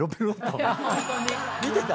見てた？